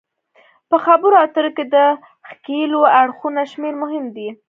په خبرو اترو کې د ښکیلو اړخونو شمیر مهم دی